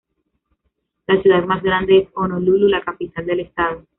La ciudad más grande es Honolulu, la capital del estado.